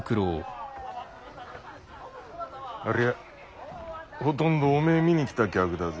ありゃほとんどおめえ見に来た客だぜ。